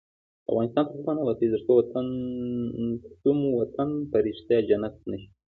افغانستان تر هغو نه ابادیږي، ترڅو مو وطن په ریښتیا جنت نشي.